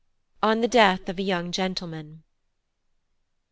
On the Death of a young Gentleman.